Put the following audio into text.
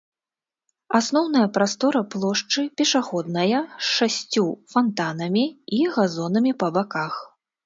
Асноўная прастора плошчы пешаходная, з шасцю фантанамі і газонамі па баках.